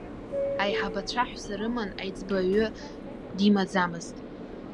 Аиҳабацәа аҳәса рыман, аиҵбы оҩы димаӡамызт.